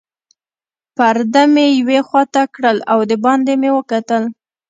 پرده مې یوې خواته کړل او دباندې مې وکتل.